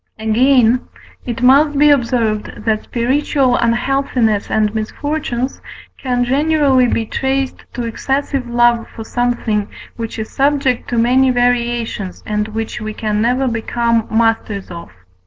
Again, it must be observed, that spiritual unhealthiness and misfortunes can generally be traced to excessive love for something which is subject to many variations, and which we can never become masters of.